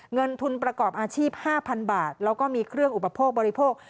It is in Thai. เงินทุนประกอบอาชีพ๕๐๐๐บาทแล้วก็มีเครื่องอุปโภคบริโภค